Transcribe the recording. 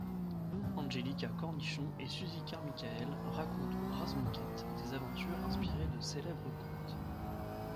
Angelica Cornichon et Suzie Carmichael racontent aux Razmoket des aventures inspirées de célèbres contes...